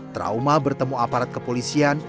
trauma bertemu aparat kepolisian